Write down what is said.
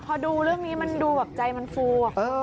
พอดูเรื่องนี้มันดูแบบใจมันฟู